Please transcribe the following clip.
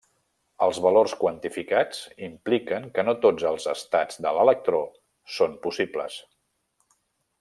Els valors quantificats impliquen que no tots els estats de l'electró són possibles.